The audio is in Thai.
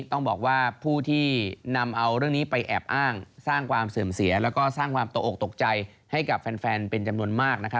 ต้องบอกว่าผู้ที่นำเอาเรื่องนี้ไปแอบอ้างสร้างความเสื่อมเสียแล้วก็สร้างความตกออกตกใจให้กับแฟนเป็นจำนวนมาก